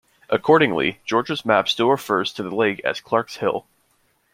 Accordingly, Georgia's map still refers to the lake as Clarks Hill.